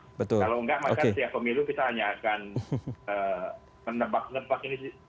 kalau enggak maka setiap pemilu kita hanya akan menebak nebak ini